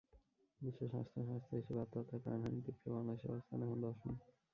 বিশ্ব স্বাস্থ্য সংস্থার হিসেবে আত্মহত্যায় প্রাণহানির দিক থেকে বাংলাদেশের অবস্থান এখন দশম।